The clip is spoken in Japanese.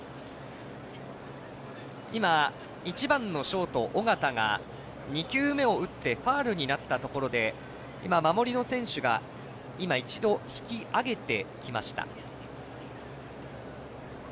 １番のショート緒方が２球目を打ってファウルになったところで守りの選手が一度、引き揚げてきました。